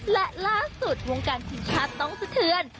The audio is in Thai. และล่าสุดวงการทีมชาติต้องสะเทือน